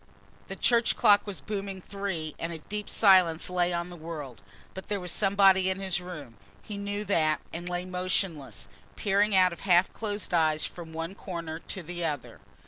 The church clock was booming three and a deep silence lay on the world. But there was somebody in his room. He knew that and lay motionless, peering out of half closed eyes from one corner to the other.